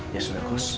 ya sudah kos